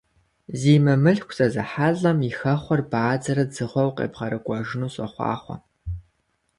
Зи мымылъку зэзыхьэлӀэм и хэхъуэр бадзэрэ дзыгъуэу къебгъэрыкӀуэжыну сохъуахъуэ!